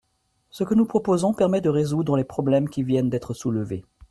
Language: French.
Ce que nous proposons permet de résoudre les problèmes qui viennent d’être soulevés.